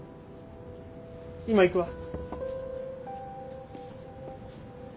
今行くわ。